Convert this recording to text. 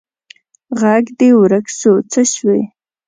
ږغ دي ورک سو څه سوي